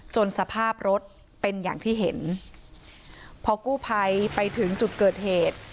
สภาพรถเป็นอย่างที่เห็นพอกู้ภัยไปถึงจุดเกิดเหตุ